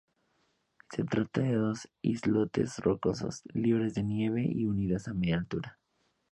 Se trata de dos islotes rocosos libres de nieve y unidos a media altura.